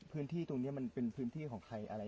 พื้นที่ตรงนี้เป็นพื้นที่ของใคร